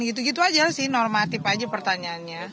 gitu gitu aja sih normatif aja pertanyaannya